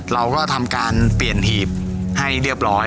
เราก็ทำการเปลี่ยนหีบให้เรียบร้อย